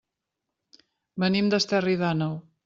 Venim d'Esterri d'Àneu.